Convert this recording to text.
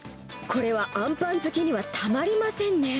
これはあんパン好きにはたまりませんね。